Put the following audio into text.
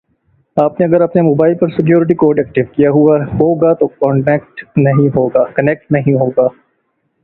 آپ نے اگر اپنے موبائل پر سیکیوریٹی کوڈ ایکٹیو کیا ہوا ہوگا تو کنیکٹ نہیں ہوگا